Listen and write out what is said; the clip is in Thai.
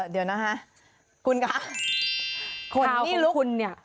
เดี๋ยวนะฮะคุณครับ